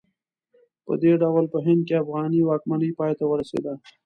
په دې ډول په هند کې افغاني واکمنۍ پای ته ورسېده.